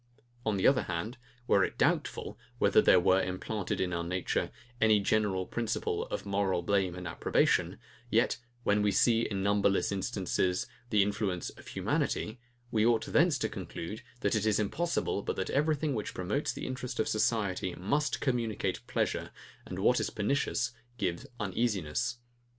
On the other hand, were it doubtful, whether there were, implanted in our nature, any general principle of moral blame and approbation, yet when we see, in numberless instances, the influence of humanity, we ought thence to conclude, that it is impossible, but that everything which promotes the interest of society must communicate pleasure, and what is pernicious give uneasiness.